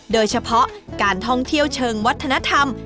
โดยเฉพาะการท่องเที่ยวเชิงวัฒนธรรม